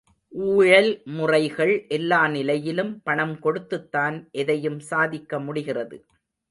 ஊழல் முறைகள் எல்லா நிலையிலும் பணம் கொடுத்துத்தான் எதையும் சாதிக்கமுடிகிறது.